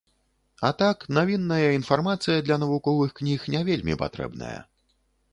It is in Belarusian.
А так, навінная інфармацыя для навуковых кніг не вельмі патрэбная.